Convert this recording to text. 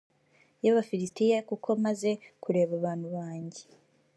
y abafilisitiya kuko maze kureba abantu banjye